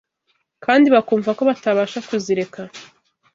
kandi bakumva ko batabasha kuzireka